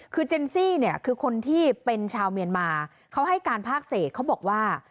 คือเจนซี่เนี่ยคือคนที่เป็นชาวเมียนมาเขาให้การภาคเศษเขาบอกว่า